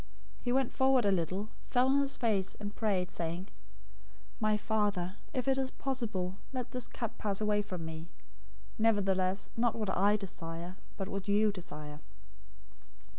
026:039 He went forward a little, fell on his face, and prayed, saying, "My Father, if it is possible, let this cup pass away from me; nevertheless, not what I desire, but what you desire."